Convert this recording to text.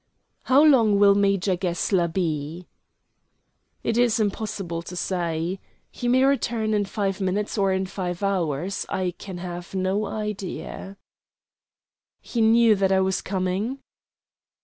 "How long will Major Gessler be?" "It is impossible to say. He may return in five minutes or in five hours; I can have no idea." "He knew that I was coming?"